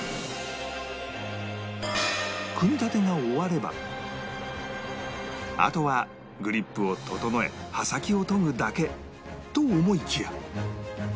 組み立てが終わればあとはグリップを整え刃先を研ぐだけと思いきや